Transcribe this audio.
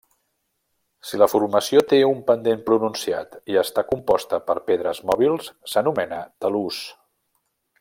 Si la formació té un pendent pronunciat i està composta per pedres mòbils, s'anomena talús.